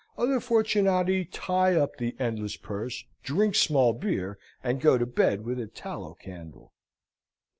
Other Fortunati tie up the endless purse, drink small beer, and go to bed with a tallow candle.